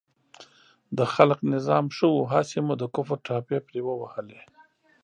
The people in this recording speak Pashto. د خلق نظام ښه و، هسې مو د کفر ټاپې پرې ووهلې.